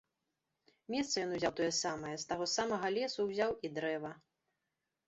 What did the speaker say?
Месца ён узяў тое самае, з таго самага лесу ўзяў і дрэва.